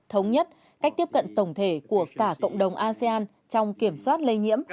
thống nhất cách tiếp cận tổng thể của cả cộng đồng asean trong kiểm soát lây nhiễm